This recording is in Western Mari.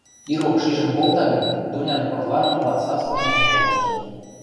Ирок шижӹн колта гӹнь, Дунян орланымыла саслымыжым колеш.